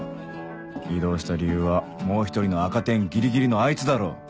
異動した理由はもう１人の赤点ギリギリのあいつだろ